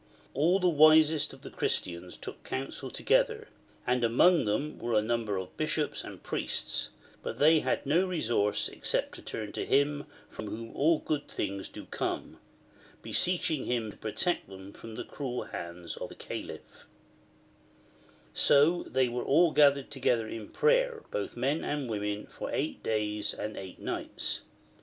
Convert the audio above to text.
All the wisest of the Christians took counsel together, and among them were a number of bishops and priests, but they had no resource except to turn to Him from whom all good things do come, beseeching Him to protect them from the cruel hands of the Calif So they were all gathered together in prayer, both men and women, for eight days and eight nights.